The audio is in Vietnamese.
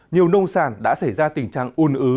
nhiều nông sản đã xảy ra tình trạng un ứ